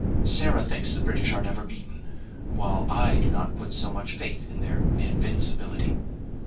"Sarah thinks the British are never beaten, while I do not put so much faith in their invincibility."